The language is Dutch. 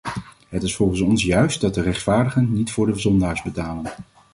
Het is volgens ons juist dat de rechtvaardigen niet voor de zondaars betalen.